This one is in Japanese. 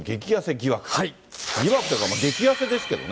疑惑というか、激痩せですけどね。